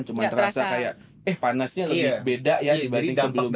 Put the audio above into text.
cuma terasa kayak eh panasnya lebih beda ya dibanding sebelumnya